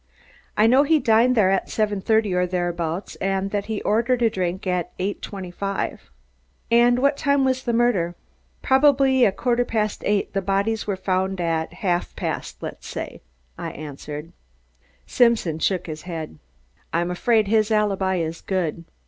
"I know he dined there at seven thirty or thereabouts and that he ordered a drink at eight twenty five." "And what time was the murder?" "Probably about a quarter past eight the bodies were found at half past, they say," I answered. Simpson shook his head. "I'm afraid his alibi is good.